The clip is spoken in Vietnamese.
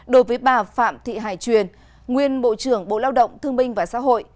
đối với bà phạm thị hải truyền nguyên bộ trưởng bộ lao động thương minh và xã hội